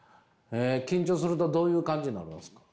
緊張するとどういう感じになるんですか？